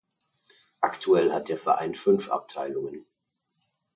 Aktuell hat der Verein fünf Abteilungen.